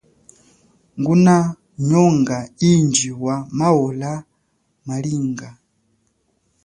Nguna nyonga undji wa maola malinga.